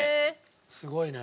すごいね。